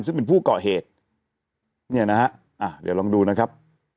ซึ่งเป็นผู้เกาะเหตุเนี่ยนะฮะเดี๋ยวลองดูนะครับ